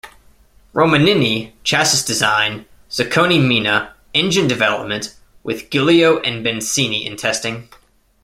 Romanini, chassis design, Zaccone Mina, engine development, with Gilio and Bencini in testing.